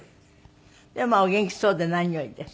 でもまあお元気そうで何よりです。